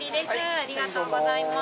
ありがとうございます。